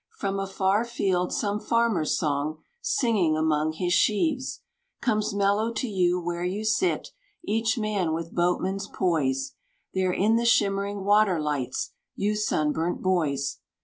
From a far field some farmer's song, Singing among his sheaves, Comes mellow to you where you sit, Each man with boatman's poise, There, in the shimmering water lights, You sunburnt boys.